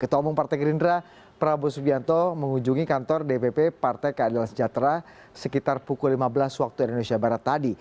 ketua umum partai gerindra prabowo subianto mengunjungi kantor dpp partai keadilan sejahtera sekitar pukul lima belas waktu indonesia barat tadi